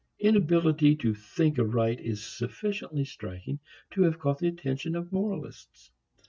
Inability to think aright is sufficiently striking to have caught the attention of moralists.